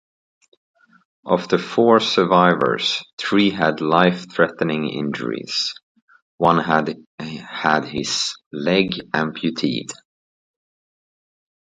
Of the four survivors, three had life-threatening injuries; one had his legs amputated.